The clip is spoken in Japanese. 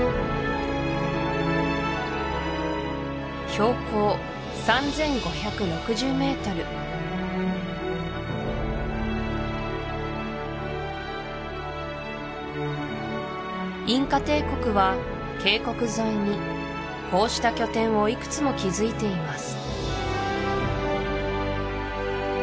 標高３５６０ｍインカ帝国は渓谷沿いにこうした拠点をいくつも築いています